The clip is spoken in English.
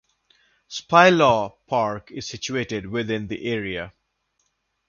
Spylaw Park is situated within the area.